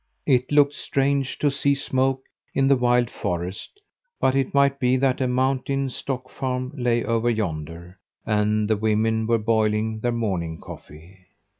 It looked strange to see smoke in the wild forest, but it might be that a mountain stock farm lay over yonder, and the women were boiling their morning coffee.